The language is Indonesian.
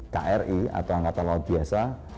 kri atau angkatan laut biasa